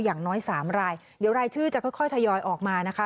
อย่างน้อย๓รายเดี๋ยวรายชื่อจะค่อยทยอยออกมานะคะ